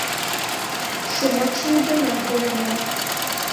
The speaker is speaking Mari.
Шомакшым гына колынам.